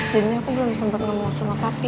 jadinya aku belum sempet ngomong sama papi